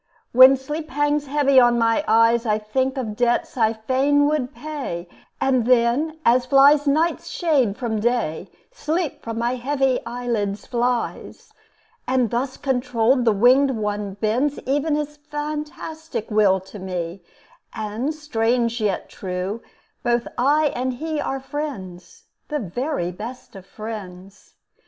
When sleep hangs heavy on my eyes, I think of debts I fain would pay; And then, as flies night's shade from day, Sleep from my heavy eyelids flies. And thus controlled the winged one bends Ev'n his fantastic will to me; And, strange, yet true, both I and he Are friends, the very best of friends.